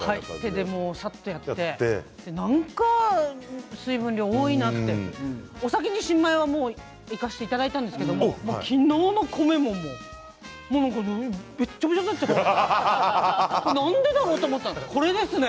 手でさっとやってなんか水分量が多いなってお先に新米はいかせていただいたんですけど昨日の米は、もうべちょべちょになっちゃってなんでだろうと思ったんですけどこれですね。